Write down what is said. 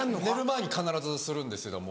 寝る前に必ずするんです。